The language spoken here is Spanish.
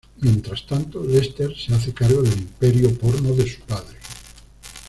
Mientras tanto, Lester se hace cargo del imperio porno de su padre.